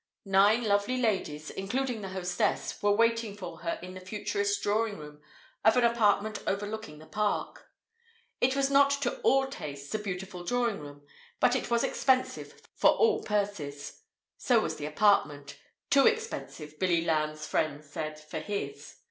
Nine lovely ladies (including the hostess) were waiting for her in the Futurist drawing room of an apartment overlooking the Park. It was not to all tastes a beautiful drawing room, but it was expensive for all purses. So was the apartment; too expensive, Billy Lowndes' friends said, for his.